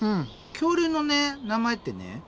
恐竜のね名前ってね○